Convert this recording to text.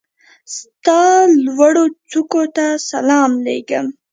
ستا لوړوڅوکو ته سلام لېږم